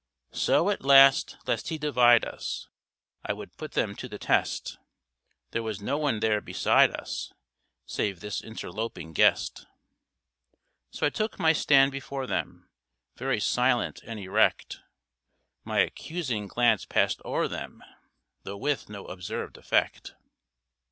So, at last, lest he divide us, I would put them to the test. There was no one there beside us, Save this interloping guest. So I took my stand before them, Very silent and erect, My accusing glance passed o'er them, Though with no observed effect.